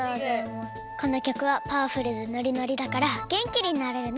このきょくはパワフルでノリノリだからげんきになれるね。